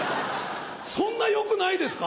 そんな欲ないですか？